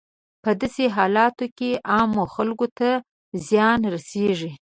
په داسې حالاتو کې عامو خلکو ته زیان رسیږي.